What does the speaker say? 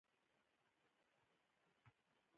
هیلۍ د ګروپ په توګه حرکت کوي